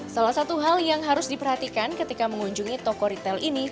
salah satu hal yang harus diperhatikan ketika mengunjungi toko ritel ini